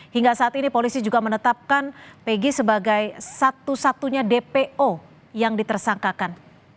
hingga saat ini polisi juga menetapkan pg sebagai satu satunya dpo yang ditersangkakan